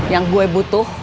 yang gue butuh